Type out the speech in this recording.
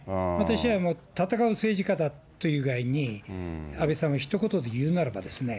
私は戦う政治家だっていう以外に、安倍さんをひと言で言うならばですね。